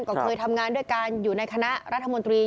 ก็เคยทำงานด้วยกันอยู่ในคณะรัฐมนตรี